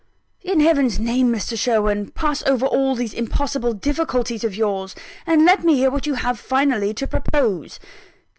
"In Heaven's name, Mr. Sherwin, pass over all these impossible difficulties of yours! and let me hear what you have finally to propose."